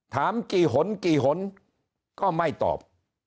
ถามกี่หนกี่หนก็ไม่ตอบ